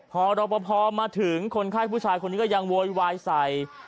พอรอปภมาถึงคนไข้ผู้ชายคนนี้ก็ยังโวยวายใส่